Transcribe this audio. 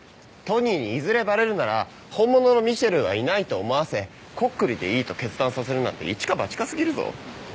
トニーにいずれバレるなら本物のミシェルはいないと思わせコックリでいいと決断させるなんてイチかバチか過ぎるぞ。